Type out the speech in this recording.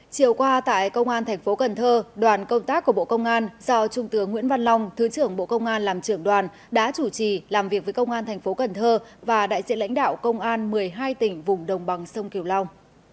chiều qua tại công an thành phố cần thơ đoàn công tác của bộ công an do trung tướng nguyễn văn long thứ trưởng bộ công an làm trưởng đoàn đã chủ trì làm việc với công an thành phố cần thơ và đại diện lãnh đạo công an một mươi hai tỉnh vùng đồng bằng sông kiều long